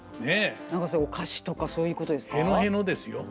何かお菓子とかそういうことですか。